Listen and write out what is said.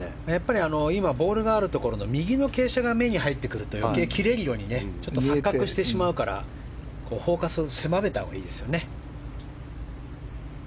今、ボールがあるところの右の傾斜が目に入ってくると余計に切れるように錯覚してしまうからフォーカスを狭めたほうがいいですよね。